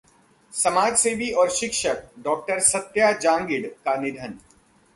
समाजसेवी और शिक्षक डॉ. सत्या जांगिड का निधन